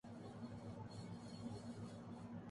مری اسیری پہ شاخِ گل نے یہ کہہ کے صیاد کو رلایا